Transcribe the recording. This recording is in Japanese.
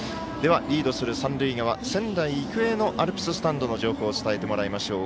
リードする三塁側、仙台育英のアルプススタンドの情報を伝えてもらいましょう。